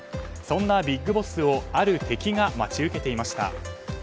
そんなビッグボスをある敵が待ち受けていました。